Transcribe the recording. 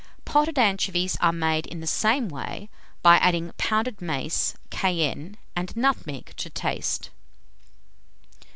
POTTED ANCHOVIES are made in the same way, by adding pounded mace, cayenne, and nutmeg to taste.